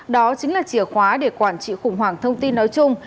đó chính là chìa khóa để quản trị khủng hoảng thông tin nói chung